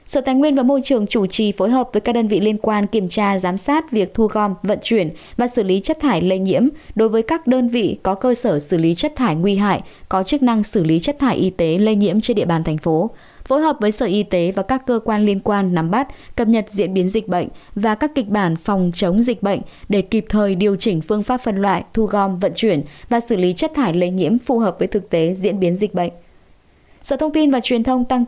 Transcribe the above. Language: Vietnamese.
sở tài nguyên và môi trường chủ trì phối hợp với các đơn vị liên quan kiểm tra giám sát việc thu gom vận chuyển và xử lý chất thải lây nhiễm đối với các đơn vị có cơ sở xử lý chất thải nguy hại có chức năng xử lý chất thải y tế lây nhiễm trên địa bàn thành phố phối hợp với sở y tế và các cơ quan liên quan nắm bắt cập nhật diễn biến dịch bệnh và các kịch bản phòng chống dịch bệnh để kịp thời điều chỉnh phương pháp phân loại thu gom vận chuyển và xử lý chất thải lây nhiễm phù hợp với thực tế diễn biến d